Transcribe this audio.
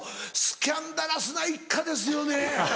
スキャンダラスな一家ですよね。